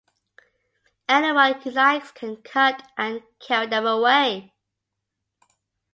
Anyone who likes can cut and carry them away.